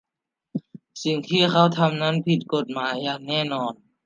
สิ่งที่เขาทำนั้นผิดกฎหมายอย่างแน่นอน